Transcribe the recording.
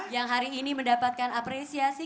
yang hari ini mendapatkan apresiasi